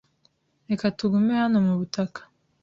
Reka tugume hano mubutaka.